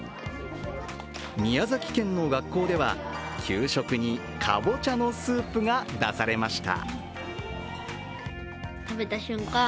宮崎県の学校では、給食にかぼちゃのスープが出されました。